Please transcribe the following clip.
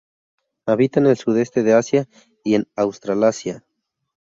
Habita en el sudeste de Asia y en Australasia.